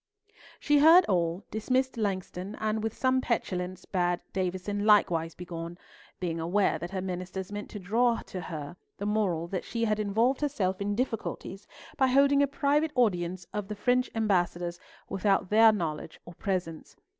She heard all, dismissed Langston, and with some petulance bade Davison likewise begone, being aware that her ministers meant her to draw the moral that she had involved herself in difficulties by holding a private audience of the French Ambassadors without their knowledge or presence.